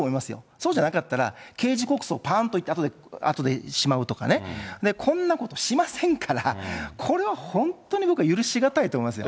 そうじゃなかったら、刑事告訴ぱーんといって、あとでしまうとかね、こんなことしませんから、これは本当に僕は許し難いと思いますよ。